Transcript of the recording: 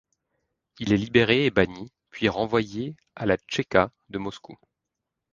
Il est libéré et banni, puis renvoyé à la Tchéka de Moscou.